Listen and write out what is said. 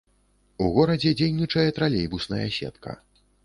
У горадзе дзейнічае тралейбусная сетка.